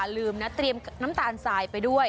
ลืมนะเตรียมน้ำตาลทรายไปด้วย